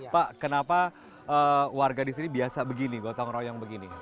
pak kenapa warga di sini biasa begini gotong royong begini